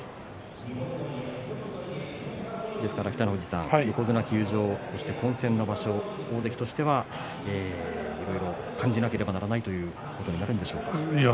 北の富士さん、横綱休場そして混戦の場所大関としてはいろいろ感じなければならないということになりますね。